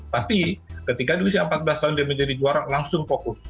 tapi ketika di usia empat belas tahun dia menjadi juara langsung fokus